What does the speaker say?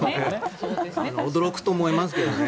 驚くと思いますけどね。